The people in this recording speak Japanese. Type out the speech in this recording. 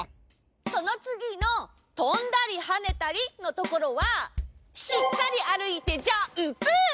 そのつぎの「とんだりはねたり」のところはしっかりあるいてジャンプ！